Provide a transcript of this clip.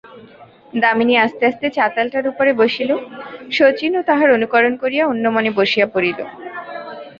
দামিনী আস্তে আস্তে চাতালটার উপরে বসিল, শচীশও তার অনুকরণ করিয়া অন্যমনে বসিয়া পড়িল।